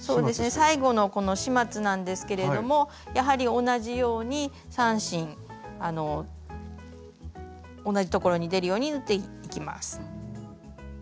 最後のこの始末なんですけれどもやはり同じように３針同じところに出るように縫っていきます。